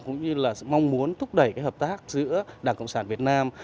chuyến thăm cũng như là mong muốn thúc đẩy hợp tác giữa đảng cộng sản việt nam